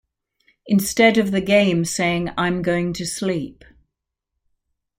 Instead of the game saying I'm going to sleep.